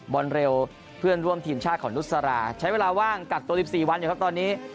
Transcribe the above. บอลเร็วเพื่อนร่วมทีมชาติของนุษราใช้เวลาว่างกักตัว๑๔วันอยู่ครับตอนนี้